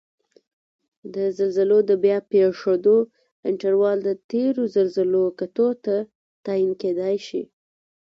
د زلزلو د بیا پېښیدو انټروال د تېرو زلزلو کتو ته تعین کېدای شي